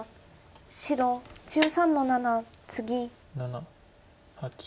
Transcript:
白１３の七ツギ。